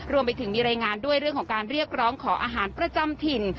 รวมไปถึงมีรายงานด้วยเรื่องของการเรียกร้องขออาหารประจำถิ่น